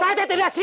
saya tidak sia